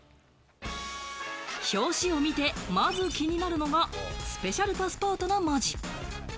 表紙を見て、まず気になるのがスペシャルパスポートの文字。